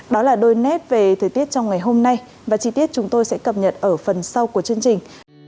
đó là đôi nét về thời tiết trong ngày hôm nay và chi tiết chúng tôi sẽ cập nhật ở phần sau của chương trình